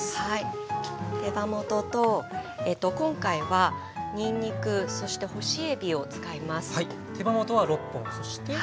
手羽元と今回はにんにくそして干しえびを使います。